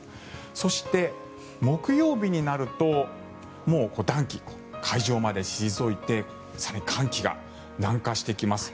そして、木曜日になるともう暖気、海上まで退いて更に寒気が南下してきます。